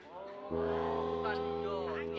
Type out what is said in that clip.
oh bukan jonny